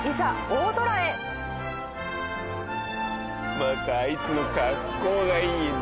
またあいつの格好がいいよね。